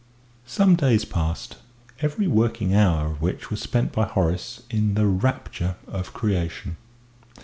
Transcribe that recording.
Some days passed, every working hour of which was spent by Horace in the rapture of creation.